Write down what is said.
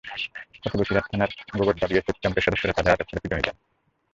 পথে বশিরহাট থানার গোরবডা বিএসএফ ক্যাম্পের সদস্যরা তাঁদের আটক করে পিটুনি দেন।